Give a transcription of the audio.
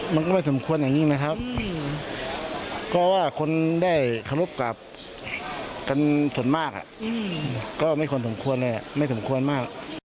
มันก็ไม่สมควรอย่างนี้นะครับเพราะว่าคนได้เคารพกับกันส่วนมากก็ไม่ควรสมควรเลยไม่สมควรมาก